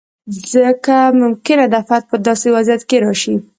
ځکه ممکنه ده فرد په داسې وضعیت کې راشي.